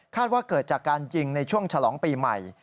ว่าเกิดจากการยิงในช่วงฉลองปีใหม่